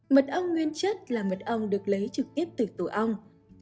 mật ong nguyên chất là mật ong được lấy trực tiếp từ tổ ong